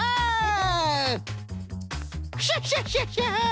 クシャシャシャシャ！